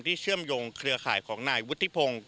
เชื่อมโยงเครือข่ายของนายวุฒิพงศ์